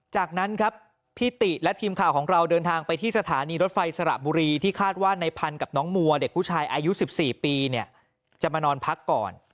จากนั้นครับพี่ติและทีมข่าวของเราเดินทางไปที่สถานีรถไฟสระบุรีที่คาดว่าในพันธุ์กับน้องมัวเด็กผู้ชายอายุ๑๔ปีเนี่ยจะมานอนพักก่อน